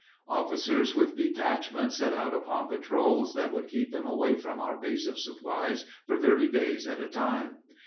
Officers with detachments set out upon patrols that would keep them away from our base of supplies for thirty days at a time.